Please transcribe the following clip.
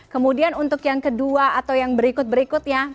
kemudian untuk yang kedua atau yang berikut berikutnya